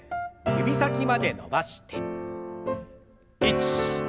指先まで伸ばして。